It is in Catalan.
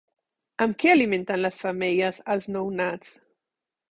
Amb què alimenten les femelles als nounats?